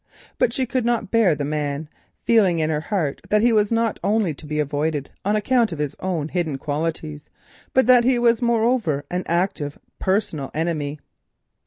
But she could not bear the man, feeling in her heart that he was not only to be avoided on account of his own hidden qualities, but that he was moreover an active personal enemy.